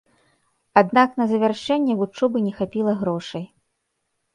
Аднак на завяршэнне вучобы не хапіла грошай.